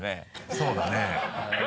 そうだね。